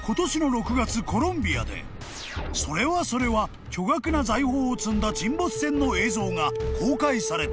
［それはそれは巨額な財宝を積んだ沈没船の映像が公開された］